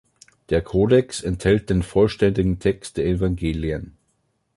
Der Kodex enthält den vollständigen Text der Evangelien.